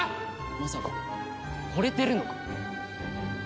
まさかほれてるのか？